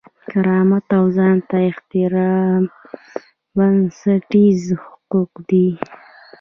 کرامت او ځان ته احترام بنسټیز حقوق دي.